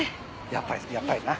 やっぱりやっぱりな。